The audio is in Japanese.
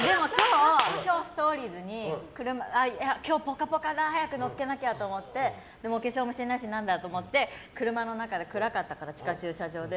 今日、ストーリーズに「ぽかぽか」だ早く載っけなきゃと思ってでもお化粧もしてないしと思って車の中で、暗かったから地下駐車場で。